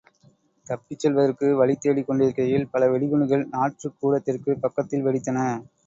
தப்பிச் செல்வதற்கு வழி தேடிக்கொண்டிருக்கையில் பல வெடி குண்டுகள் நாற்றுக் கூடத்திற்குப் பக்கத்தில் வெடித்தன.